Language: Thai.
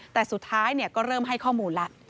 แต่สุดท้ายก็เริ่มให้ข้อมูลแล้ว